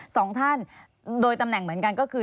สองท่านโดยตำแหน่งเหมือนกันก็คือ